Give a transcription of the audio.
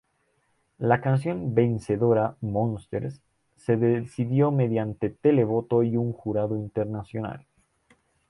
La canción vencedora, "Monsters", se decidió mediante televoto y un jurado internacional.